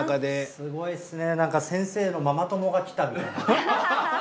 すごいですねなんか先生のママ友が来たみたいな。